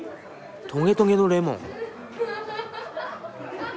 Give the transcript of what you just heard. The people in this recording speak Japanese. トゲトゲのレモン。